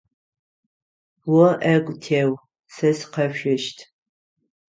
О ӏэгу теу, сэ сыкъэшъощт.